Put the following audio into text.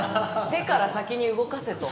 手から先に動かせと？